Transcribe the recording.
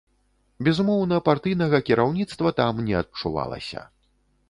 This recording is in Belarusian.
Безумоўна, партыйнага кіраўніцтва там не адчувалася.